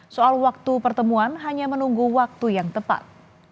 soal waktu pertemuan hanya menunggu waktu yang tepat